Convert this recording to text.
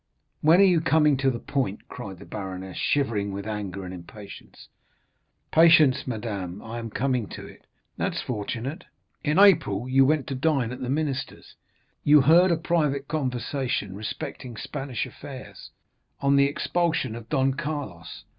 "When are you coming to the point?" cried the baroness, shivering with anger and impatience. "Patience, madame, I am coming to it." "That's fortunate." "In April you went to dine at the minister's. You heard a private conversation respecting Spanish affairs—on the expulsion of Don Carlos.